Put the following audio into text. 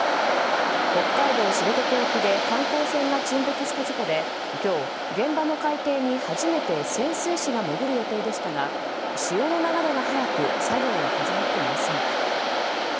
北海道知床沖で観光船が沈没した事故で今日、現場の海底に初めて潜水士が潜る予定でしたが潮の流れが速く作業は始まっていません。